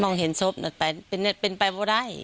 มองเห็นศพนับไปเป็นไปไม่ได้